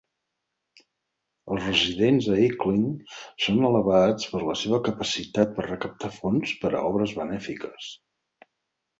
Els residents a Hickling són alabats per la seva capacitat per recaptar fons per a obres benèfiques.